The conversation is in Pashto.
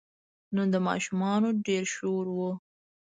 نن د ماشومانو ډېر شور و.